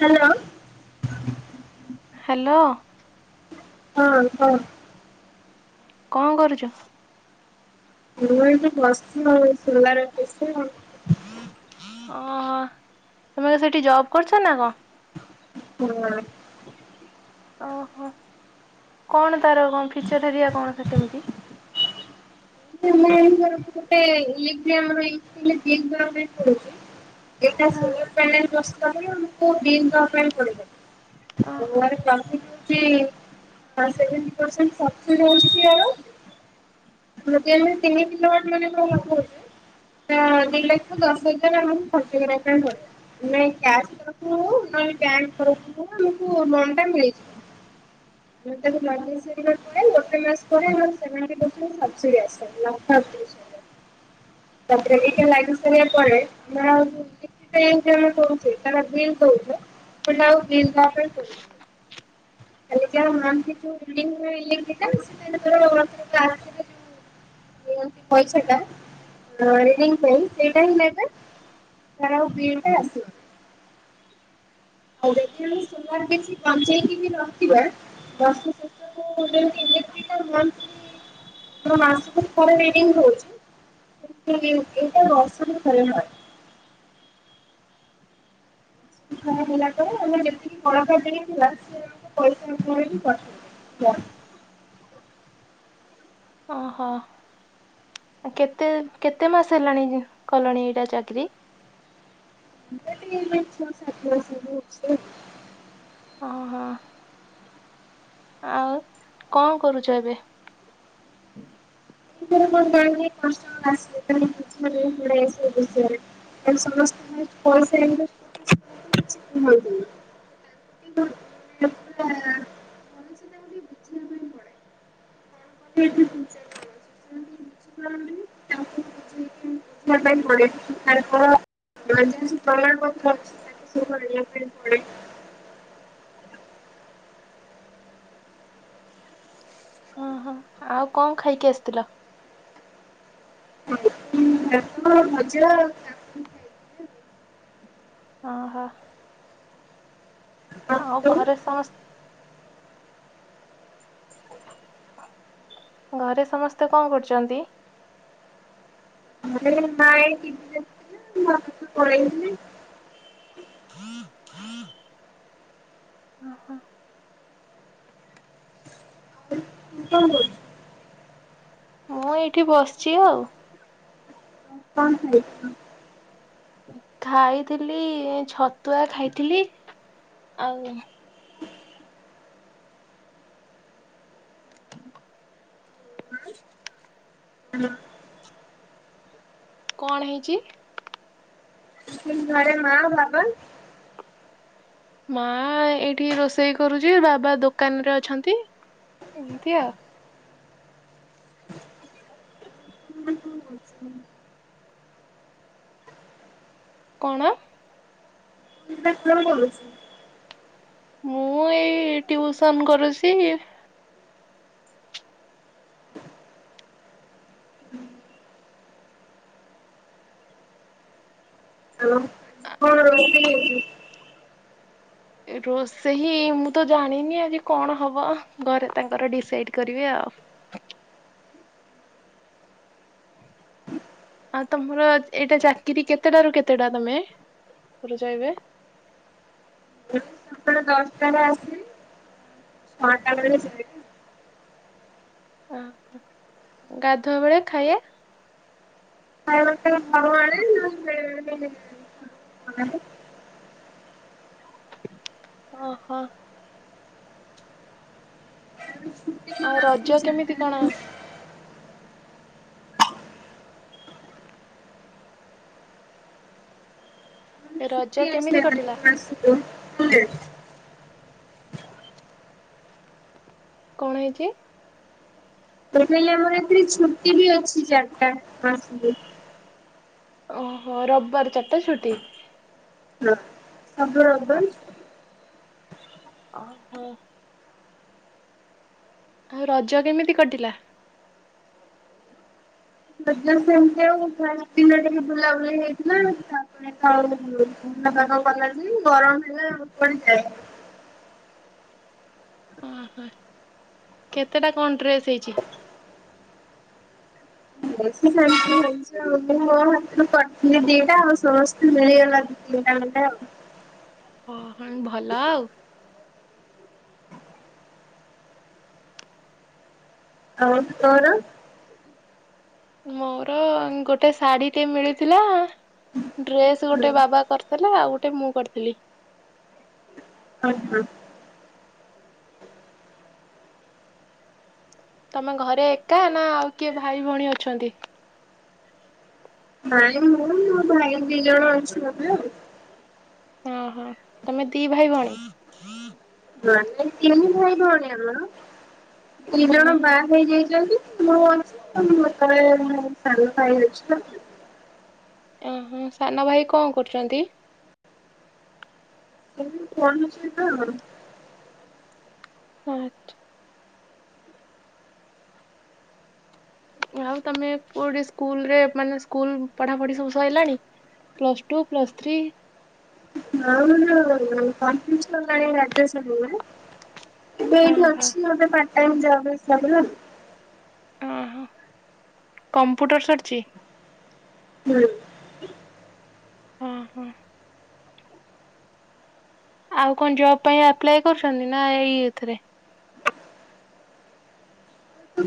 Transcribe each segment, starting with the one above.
Hello hello ହଁ ହଁ କଣ କରୁଛ [unintelligible] ଓହୋ ତମେ ସେଇଠି ଜବ କରୁଛ ନା କଣ ହୁଁ ଓହୋ କଣ ତାର କଣ ଫିଚର ହେରିଆ କଣ କେତେ କେମିତି ମର ଗୋଟେ ଏ ଗ୍ରାମ୍ରୁଛି ହଁ [inaudible] ଓହୋ [inaudible] ହଜାରେ ତିନି କିଲୋୱଟ ମାନ ଦିଲଖ୍ୟ ଦଶ ହଜାର ଆ ଖର୍ଚ୍ଚ କରା ପାଇଁଣ ପଡ଼ ନାଇଁ କ୍ୟାସ୍ ତରଫରୁ ହ ନାଇ ବ୍ୟାଙ୍କ ତରଫରୁ ହ ଆମକୁ ଲୋନ ଟା ମିଳିଯ ମୁଁ ତାକୁ ଲ ସରିବା ପରେ ଗୋଟେ ମାସ ପରେ ଆମର ସେମାନଙ୍କ ଦେ [inaudible] ତାପରେ ଟିକା ଲାଗି ସାରିଲା ପରେ ନା ଜମ କହୁଛି ତା ବିଲ୍ କହୁଛ ଟ ବପ କାଲି ଯା ମ ବ ସେ ପଇସାଟା ପାଇଁ ସେଇଟା ହିଁ ତାର ଆଉ ବିିଇଟେ ଆସିବ ଆଉ ଯେତେବେଳେ ସୁୋମାର ବେଶି କଞ୍ଚେଇକି ବି ରହିଥିବା ବର୍ଷ ଶେଷ ମାସ ଏଇଟା ମସମ ଭଲ ା ହେଲା ପରେ ଆମେ ଯେତିକି କଳକାଟି ଥିଲା ସେ ଆମ ପଇସା ଉପରେ ବି କରିୁ ହ ଓହୋ କେତେ କେତେ ମାସ ହେଲାଣି କଲଣି ଏଇଟା ଚାକିରି ଏଣ୍ଟରଟମେଣ୍ଟ ଓଁ ହଁ ଆଉ କଣ କରୁଛ ଏବେ ମ କଷ୍ଟିଲ ସମସ୍ତ ପଇସା [inaudible] ବିବା ପାଇଁ ପଡଛି ପଁ କୁ ପାଇଁପ ଘିଲ ସେ ଥଡ ଓ ହୋ ଆଉ କଣ ଖାଇକି ଆସିଥିଲ ହ ହଁ ମଜା ଓହୋ ଆଉ ଘରେ ସମସ୍ତେ ଘରେ ସମସ୍ତେ କଣ କରୁଛନ୍ତି ମଁ ମା ଆସିଥିଲା ମୁଁ ଆ ପଳେଇି ହଁ ହଁ ହଁ ହଁ ହୁଁ ହ ମୁଁ ଏଇଠି ବସିଛି ଆଉ କଣ ହେ ଖାଇଥିଲି ଛତୁଆ ଖାଇଥିଲି ଆଉ ହଁ କଣ ହେଇଛି ଘରେ ମା ବାବା ମା ଏଇଠି ରୋଷେଇ କରୁଛି ବାବା ଦୋକାନରେ ଅଛନ୍ତି ଏମିତି ଆଉ କଣ କଣ କରୁଛି ମୁଁ ଏଇ ୍ୟଉସନ କରୁଛି [unintelligible] ରୋଷେଇହି ମୁଁ ତ ଜାଣିନି ଆଜି କଣ ହବ ଘରେ ତାଙ୍କର ଡିସାଇଡ କରିବେ ଆଉ। ଆଉ ତମର ଏଇଟା ଚାକିରି କେତେଟା ରୁ କେତେଟା ତମେ ପୁରଚାଇବେ। ଆପଣ ଦଶଟାରେ ଆସିବି ଛଅଟା ବେଳେ ଯାଏ। ଓ ଗାଧୁଆ ବେଳେ ଖାଇବା [unintelligible] ବନାଏ। ଓହୋ। [inaudible] ଆଉ ରଜ କେମିତି ଚାରିଟା କଣ ବେଳେ ରଜ କେମିତି କଟିଲା [unintelligible] କଣ ହେଇଛି? ତ୍ରୁ ପିହଲେ ଆମର ଏଥିରେ ଛୁଟି ବି ଅଛି ଚାରିଟା ମାସରେ। ଓହୋ ରବିବାର ଚାରିଟା ଛୁଟି। [unintelligible] ଓହୋ। ଆଉ ରଜ କେମିତି କଟିଲା? ସଜା ସେମିତି ଆଉ ଫାଷ୍ଟ ଦିନରେ ବୁଲାବୁଲି ହେଇଥିଲା ତାପରେ ଆଉ ଭବା କଣ କଲା ଯେ ଗରମ ହେଲା ପଡିଯାଏ। ଓହୋ କେତେଟା କଣ ଡ୍ରେସ୍ ହେଇଛି? ବେଶ ଶାନ୍ତି ହେଇଛି ଆଉ ମୁଁ ମୋ ହାତରୁ କରିଥିଲି ଦିଟା ଆଉ ସମସ୍ତେ ମିଳିଗଲା। [unintelligible] ଓ ହଁ ଭଲ ଆଉ। ହଉ ତୋର। ମୋର ଗୋଟେ ଶାଢୀ ଟେ ମିଳିଥିଲା। ଡ୍ରେସ ଗୋଟେ ବାବା କରିଥିଲା ଆଉ ଗୋଟେ ମୁଁ କରିଥିଲି। ହଁ ହଁ। ତମେ ଘରେ ଏକା ନା ଆଉ କିଏ ଭାଇ ଭଉଣୀ ଅଛନ୍ତି। ନାଇଁ ମୁଁ ମୋ ଭାଇ ଦି ଜଣ ଅଛି ମମେ ଆଉ। ଓହୋ ତମେ ଦି ଭାଇ ଭଉଣୀ। [unintelligible] ନ ନାଇ ତିନି ଭାଇ ଭଉଣୀ ଆମର ଦି ଜଣ ଓହୋ ବାହା ହେଇଯାଇଛନ୍ତି। [unintelligible] ଓହୋ ସାନ ଭାଇ କଣ କରୁଛନ୍ତି? [unintelligible] ଆଠ ଆଉ ତମେ କୋଉଠି ସ୍କୁଲ ରେ ମାନେ ସ୍କୁଲ ପଢାପଢି ସବୁ ସଇଲାଣି। Plus two plus three. [unintelligible] ଏବେ ଏଇଠି ଓହୋ ଅଛି ଏବେ ପାଟଟାଇମ ଜବ ସାରିଲାଣି। ଓହୋ କମ୍ପୁଟର ସରିଛି। ହୁଁ। ହଁ ହଁ। ଆଉ କଣ ଜବ ପାଇଁ ଆପ୍ଲାଏ କରୁଛନ୍ତି ନା ଏଇ ଏଥିରେ।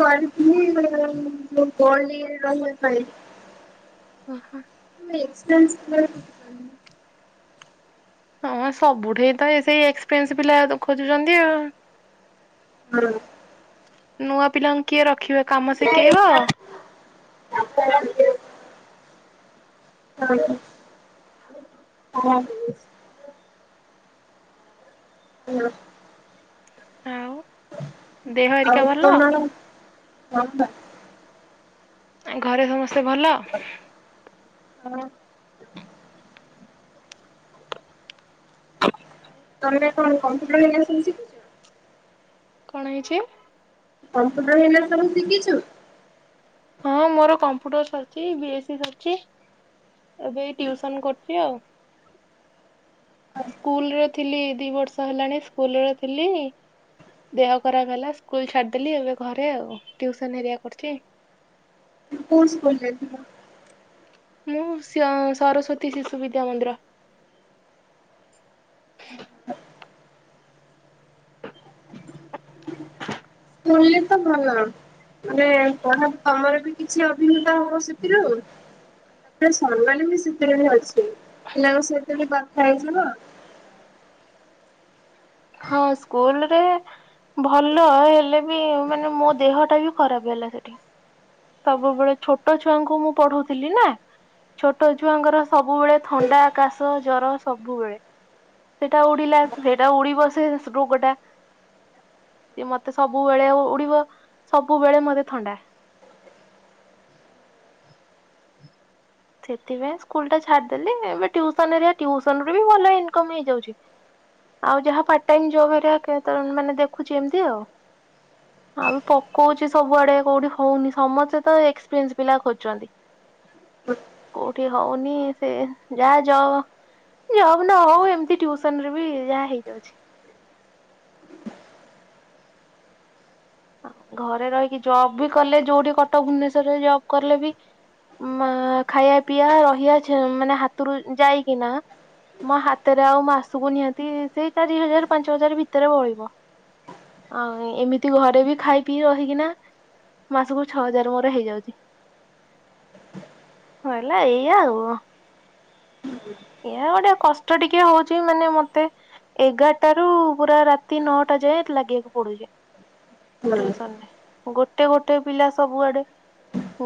କରିଥିଲି ଇ ଗୋଲ୍ଡ୍ ଇଏ ରେ ରହିବା ପାଇଁ। ଓହୋ। [unintelligible] ହଁ ସବୁଠି ତ ଏ ସେଇ ଏକ୍ସପେଏନ୍ସ ପିଲା ଖୋଜୁଛନ୍ତି ଆଉ। ହଁ। ନୂଆ ପିଲାଙ୍କୁ କିଏ ରଖିବ କାମ ଶିଖେଇବ। [unintelligible] [inaudible] ଆଉ ଦେହ ହେରିକା ଭଲ। [inaudible] ଘରେ ସମସ୍ତେ ଭଲ ହଁ [inaudible] କ'ଣ ହେଇଚି? [inaudible] ହଁ ମର କମ୍ପୁଟର ସର୍ଚି, ବିଏସି ସର୍ଚି। ଏବେ ଟିଉସନ୍ କ--ଚି ଆଉ। କୁଲ୍‌ରେ ଥିଲି, ଦି ବର୍ଷ ହେଲାଣି ସ୍କୁଲ୍ ରେ ଥିଲି। ଦେହ ଖରାପ ହେଲା। ସ୍କୁଲ ଛାଡ୍‌ଦେଲି ଏବେ ଘରେ ଆଉ, ଟୁଉସନ୍ କର୍ଚି। [inaudible] ମୁଁ ସରସ୍ଵତୀ ଶିଶୁ ବିଦ୍ୟା ମନ୍ଦିର ହଁ [inaudible] [unintelligible] [inaudible] ହଁ! ସ୍କୁଲ୍ ରେ ଭଲ, ହେଲେ ବି ମାନେ ମୋ ଦେହଟା ବି ଖରାପେ ହେଲା ସେଠି। ସବୁବେଳେ ଛୋଟ ଛୁଆଙ୍କୁ ମୁଁ ପଢ଼ଉ ଥିଲି ନା। ଛୋଟ ଛୁଆଙ୍କର ସବୁ--ଳେ ଥଣ୍ଡା କାଶ, ଜର ସବୁବେଳେ। ସେଟା ଉଡ଼ିଲା, ହେଟା ଉଡ଼ିବ ସେ ରୋଗଟା। ମତେ ସବୁବେଳେ ଉଡ଼ିବ, ସବୁବେଳେ ମତେ ଥଣ୍ଡା। ସେଥିପାଇଁ ସ୍କୁଲ ଟା ଛାଡ୍‌ଦେଲି, ଏବେ ଟିଉସନ୍‌---ଟିଉସନ୍ ରୁ ବି ଭଲ ଇନ୍‌କମ୍ ହେଇଯାଉଛି। ଆଉ ଯାହା ପାର୍ଟ ଟାଇମ୍ ଜବ୍ ମାନେ ଦେଖୁଚି ଏମ୍ତି ଆଉ। ଆଉ ବି ପକଉଚି ସବୁଆଡ଼େ କଉଠି ହଉନି, ସମସ୍ତେ ତ ଏକ୍ସପିରି ପିଲା ଖୋ---ଚନ୍ତି। ହଁ [inaudible] ଜବ୍ ନହଉ, ଏମ୍ତି ଟିଉସନ୍‌ ରେ ବି ଯାହା ହେଇଯାଉଛି। ଘରେ ରହିକି ଜବ୍ ବି କଲେ, ଯଉଠି କଟକ୍ ଭୁବନେଶର୍ ରେ ଜବ୍ କଲେ ବି ଖାୟା, ପିଆ, ରହି ମାନେ ହାତୁରୁ ଯାଇକିନା ହାତରେ ଆଉ ମାସୁକୁ ନିହାତି ସେଇ ଚାରି ହଜାର୍ ପାଞ୍ଚ ହଜାର୍ ଭିତରେ ବଳିବ। [inaudible] ଖାଇ, ପିଇ, ରହିକିନା ମାସୁକୁ ଛଅ ହଜାର୍ ମୋର ହେଇଯାଉଚି। [inaudible] ଟିକେ ହଉଚି, ମାନେ ମତେ ଏଗାର୍ ଟାରୁ ପୁରା ରାତି ନଅଟା ଯାଏ, ଲାଗି--କୁ ପଡୁଚି। ହଁ ମାନେ ରେ ଗୋଟେ ଗୋଟେ ପିଲା ସବୁଆଡ଼େ।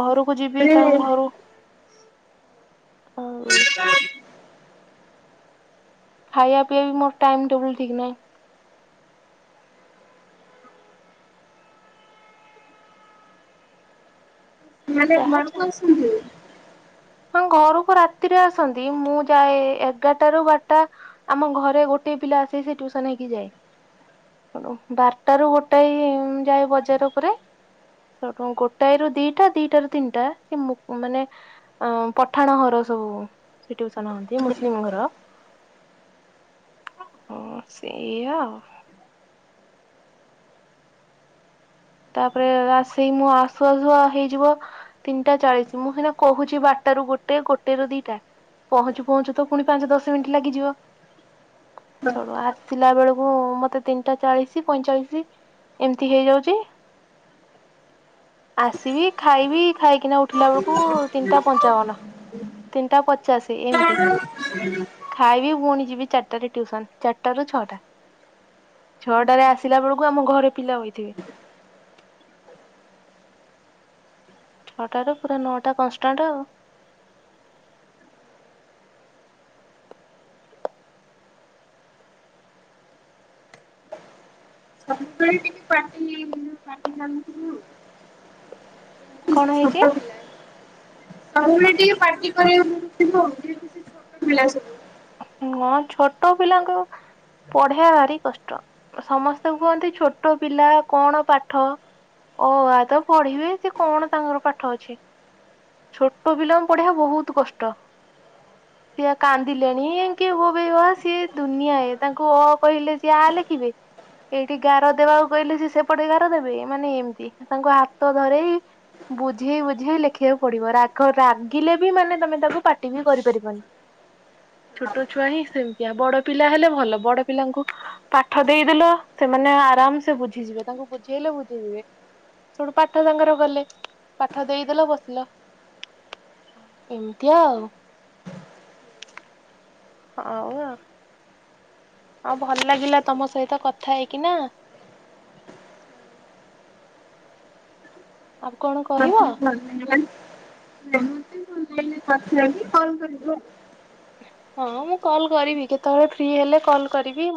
ଘରକୁ ଯିବି, ତା ଘରୁ ଖାଇ, ପିଇବା ବି ମୋର ଟାଇମ୍ ଟେବଲ୍ ଠିକ୍ ନାହିଁ। ଯାହା ଚାଲେ [inaudible] ହଁ! ଘରକୁ ରାତିରେ ଆସନ୍ତି, ମୁଁ ଯାଏ ଏଗାର୍ ଟା ରୁ ବାର୍ଟା। ଆମ ଘରେ ଗୋଟିଏ ପିଲା ସେ ଟୁଉସନ୍‌ ହେଇକି ଯାଏ। ବାର୍ଟା ରୁ ଗୋଟାଇ ଯାଏ, ବଜାର୍ ଉପ୍ରେ ଗୋଟାଏ ର ଦିଟା, ଦିଟାରୁୁ ତିନ୍ଟା ମାନେ ପଠାଣ ର ସବୁ, ସେ ଟିଉସନ୍‌ ହୁଅନ୍ତି ମୁସ୍‌ଲିମ୍ ଘର। [inaudible] ତା'ପରେ ମୁଁ ଆସୁ ଆସୁ ହେଇଯିବ। ତିନ୍‌ଟା ଚାଳିଶି ମୁଁ କହୁଚି ବାର୍ଟ ରୁ ଗୋଟେ, ଗୋଟେ ରୁ ଦିଇଟା। ପହଞ୍ଚୁ ପହଞ୍ଚୁ ତ ପୁଣି ପାଞ୍ଚ ଦଶ ମିନିଟ ଲାଗିଯିବୁ ଆସ ସିଲା ବେଳକୁ ମତେ ତିନିଟା ଚାଳିଶ ପଇଁଚାଳିଶ ଏମିତି ହେଇଯାଉଛି ଆସିବି ଖାଇବି ଖାଇକିନା ଉଠିଲା ବେଳକୁ ତିନିଟା ପଞ୍ଚାବନ ତିନିଟା ପଚାଶ ଏମତି ହୁଁ ହୁଁ ଖାଇବି ପୁଣି ଯିବି ଚାରିଟାରେ ଟଟିୁସନ ଚାରିଟା ରାରୁ ଛଅଟା ଛଅଟାରେ ଆସିଲା ବେଳକୁ ଆମ ଘରେ ପିଲା ହୋଇଥିବେ ଛଅଟାରୁ ପୁରା ନଅଟା କନଷ୍ଟାଣ୍ଟ ଆଉ ସବୁବେଳେ ଟିକେ ପାଟି ପାଟି ମ କଣ ହେଇଛି ଆପ ଆଉ ଗୋଟ ଟିକେ ପାର୍ଟି କରିବ ହଁ ଛୋଟ ପିଲାଙ୍କୁ ପଢ଼ିଆ ଭାରି କଷ୍ଟ ସମସ୍ତଙ୍କୁ କୁହନ୍ତି ଛୋଟ ପିଲା କଣ ପାଠ? ଅ ଆ ତ ପଢ଼ିବେ ସେ କଣ ତାଙ୍କର ପାଠ ଅଛି? ଛୋଟ ବିଲମ ପଢ଼ିଆ ବହୁତ କଷ୍ଟ ସେଆ କାନ୍ଦିଲି। ହୋବ ସିଏ ଦୁନିଆ ତାଙ୍କୁ ଅ କହିଲେ ସିଏ ଆ ଲେଖିବେ। ଏଇଠି ଗାର ଦେବାକୁ କହିଲେ ସେ ସେପଟେ ଗାର ଦେବେ ମାନେ ଏମିତି ତାଙ୍କୁ ହାତ ଧରେଇ ବୁଝେଇ ବୁଝେଇ ଲେଖିବାକୁ ପଡିବ ରାଗ ରାଗିଲେ ବି ମାନେ ତମେ ତାକୁ ପାଟିବି କରିପାରିବନି। ଛୋଟ ଛୁଆ ହିଁ ସେମିତିଆ ବଡ ପିଲା ହେଲେ ଭଲ ବଡ ପିଲାଙ୍କୁ ପାଠ ଦେଇଦେଲ ସେମାନେ ଆରା ସେଠୁ ପାଠ ସାଙ୍ଗର ଗଲେ ପାଠ ଦେଇଦେଲ ବସିଲ। ଏମିତିଆ ଆଉ। ହଁଉ ଆଉ। ହଉ ଭଲ ଲାଗିଲା ତମ ସହିତ କଥା ହେଇକି ନା। ଆଉ କଣ? କହିବ? ମତେ ବି ଭଲ ଲାଗିଲା ଲକି କଲ କରିବୁ ଆଉ। ହଁ ମୁଁ କଲ୍ କରିବି କେତେବେଳେ ଫ୍ରି ହେଲେ କଲ୍ କରିବି